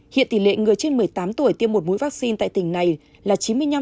hiện tỷ lệ người trên một mươi tám tuổi tiêm một mũi vaccine tại tỉnh này là chín mươi năm bảy mươi ba